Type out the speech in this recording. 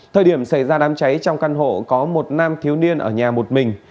thời điểm xảy ra đám cháy trong căn hộ có một nam thiếu niên ở nhà một mình